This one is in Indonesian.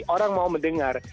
orang mau mendengar